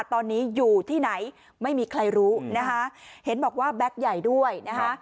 ตอนนี้อยู่ที่ไหนไม่มีใครรู้นะคะเห็นบอกว่าแบ็คใหญ่ด้วยนะคะ